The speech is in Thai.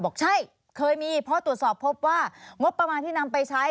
บอกใช่เคยมีเพราะตรวจสอบพบว่างบประมาณที่นำไปใช้